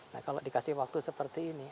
nah kalau dikasih waktu seperti ini